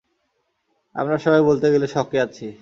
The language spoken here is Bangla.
আমরা সবাই বলতে গেলে শকে আছি!